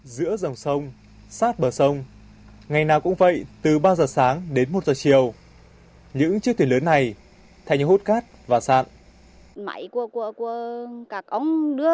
giữa dòng sông sát bờ sông ngày nào cũng vậy từ ba giờ sáng đến một giờ chiều những chiếc thuyền lớn này thành hút cát và sạn